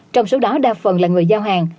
trong số đó đa phần là người giao hàng